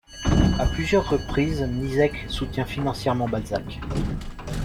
À plusieurs reprises Mniszech, soutient financièrement Balzac.